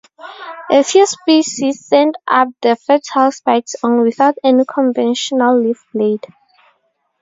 A few species send up the fertile spikes only, without any conventional leaf-blade.